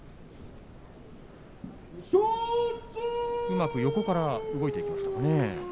うまく横から動いていきましたね。